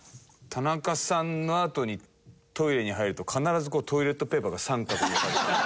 田中さんのあとにトイレに入ると必ずトイレットペーパーが三角に折られてる。